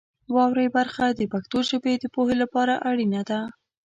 واورئ برخه د پښتو ژبې د پوهې لپاره اړینه ده.